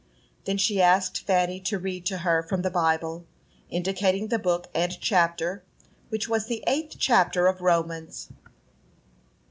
Then she asked Fanny to read to her from the Bible, indicating the book and chapter, which was the eighth chapter of Romans.